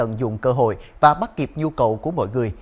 tận dụng cơ hội và bắt kịp nhu cầu của mọi người